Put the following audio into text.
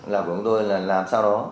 là của chúng tôi là làm sao đó